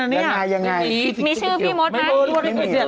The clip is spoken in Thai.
มีชื่อพี่มดไหม